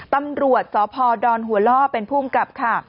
ตำรวจสพดอนหัวล่อเป็นภูมิกับค่ะ